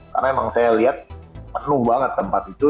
karena emang saya lihat penuh banget tempat itu